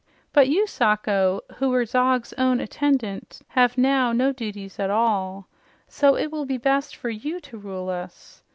But you, Sacho, who were Zog's own attendant, have now no duties at all. So it will be best for you to rule us.